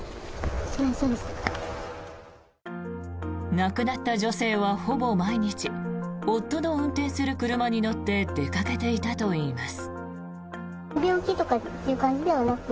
亡くなった女性は、ほぼ毎日夫の運転する車に乗って出かけていたといいます。